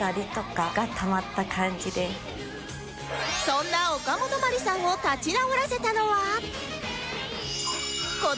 そんなおかもとまりさんを立ち直らせたのは